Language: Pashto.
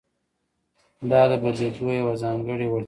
دا د بدلېدو یوه ځانګړې وړتیا لري.